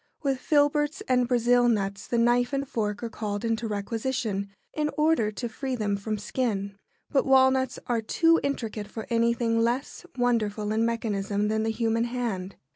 With filberts and Brazil nuts the knife and fork are called into requisition in order to free them from skin, but walnuts are too intricate for anything less wonderful in mechanism than the human hand.